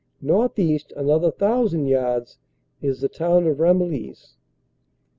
Northeast another thousand yards is the town of Ramillies.